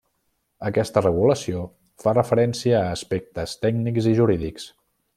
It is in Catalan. Aquesta regulació fa referència a aspectes tècnics i jurídics.